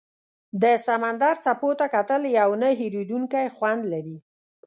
د سمندر څپو ته کتل یو نه هېریدونکی خوند لري.